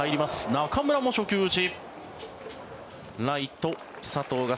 中村も初球打ち。